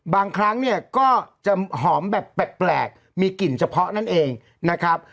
บางครั้งเนี่ยก็จะหอมแบบแปลกมีกลิ่นเฉพาะนั่นเองนะครับ